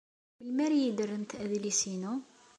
Melmi ara iyi-d-terremt adlis-inu?